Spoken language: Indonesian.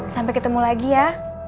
sampai ketemu lagi ya